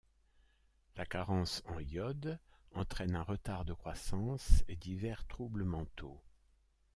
La carence en iode entraine un retard de croissance et divers troubles mentaux.